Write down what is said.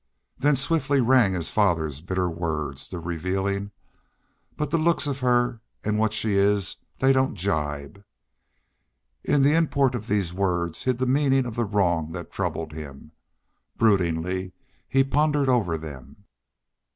Then swiftly rang his father's bitter words, the revealing: "But the looks of her an' what she is they don't gibe!" In the import of these words hid the meaning of the wrong that troubled him. Broodingly he pondered over them.